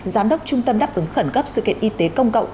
giám đốc trung tâm đáp ứng khẩn cấp sự kiện y tế công cộng